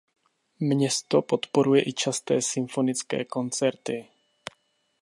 Město podporuje i časté symfonické koncerty.